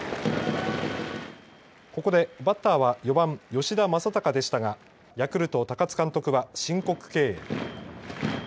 ここでバッターは４番吉田正尚でしたがヤクルト高津監督は申告敬遠。